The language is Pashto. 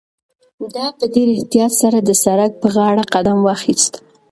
ده په ډېر احتیاط سره د سړک پر غاړه قدم واخیست.